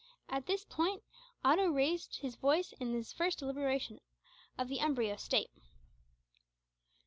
At this point Otto ventured to raise his voice in this first deliberation of the embryo State.